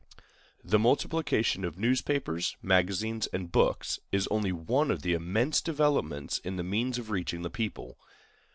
The multiplication of newspapers, magazines, and books is only one of the immense developments in the means of reaching the people.